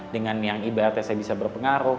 dengan yang ibaratnya saya bisa berpengaruh